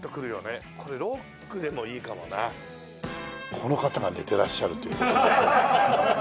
この方が寝てらっしゃるという。